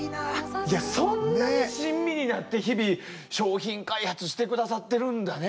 いやそんなに親身になって日々商品開発して下さってるんだね。